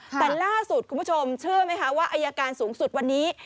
แต่ล่าสุดคุณผู้ชมเชื่อไหมคะว่าอายการสูงสุดวันนี้